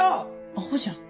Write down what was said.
アホじゃん。